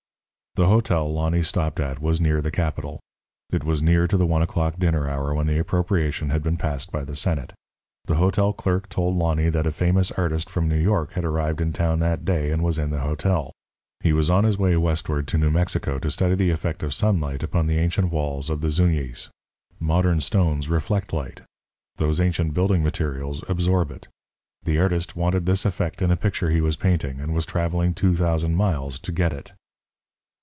The hotel Lonny stopped at was near the Capitol. It was near to the one o'clock dinner hour when the appropriation had been passed by the Senate. The hotel clerk told Lonny that a famous artist from New York had arrived in town that day and was in the hotel. He was on his way westward to New Mexico to study the effect of sunlight upon the ancient walls of the Zuñis. Modern stones reflect light. Those ancient building materials absorb it. The artist wanted this effect in a picture he was painting, and was traveling two thousand miles to get it.